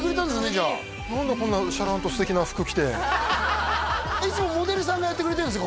じゃあ何でこんなシャランと素敵な服着ていつもモデルさんがやってくれてるんですよ